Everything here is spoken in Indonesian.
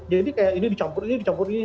jadi kayak ini dicampur ini dicampur ini